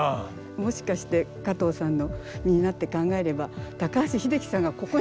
もしかして加藤さんの身になって考えれば高橋英樹さんがここに迫ってこんなに。